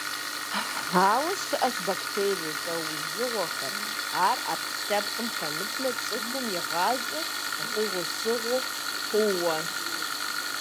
Ауэ щыӏэщ бактерие лӏэужьыгъуэхэр, ар ӏэпкълъэпкъым хэмытмэ цӏыхум и гъащӏэр гугъусыгъу хъууэ.